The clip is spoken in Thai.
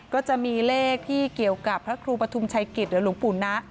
ก็จะมีเลขที่เกี่ยวกับพระครูปฐุมชัยกิจหรือหลวงปู่นะ